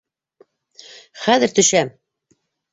Хәҙер төшәм!